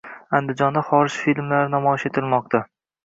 Andijonda xorij kinolari namoyish etilmoqda